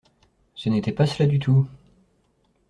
Ce n’était pas cela du tout.